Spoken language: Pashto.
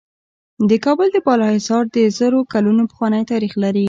د کابل د بالا حصار د زرو کلونو پخوانی تاریخ لري